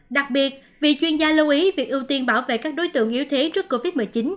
đặc biệt vì chuyên gia lưu ý việc ưu tiên bảo vệ các đối tượng yếu thế trước covid một mươi chín